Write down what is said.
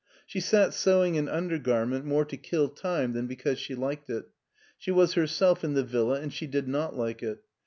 She sat sewing an undergarment more to kill time than because she liked it. She was herself in the villa, and she did not like it.